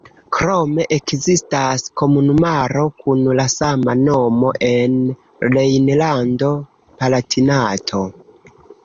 Krome ekzistas komunumaro kun la sama nomo en Rejnlando-Palatinato.